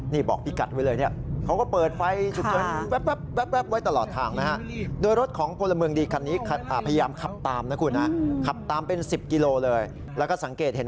นี่บอกพี่กัดไว้เลยเนี่ยเขาก็เปิดไฟฉุกเฉิน